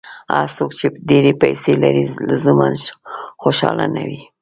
هر څوک چې ډېرې پیسې لري، لزوماً خوشاله نه وي.